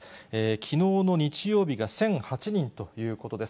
きのうの日曜日が１００８人ということです。